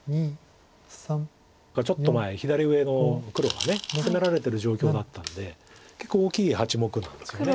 ちょっと前左上の黒が攻められてる状況だったんで結構大きい８目なんですよね。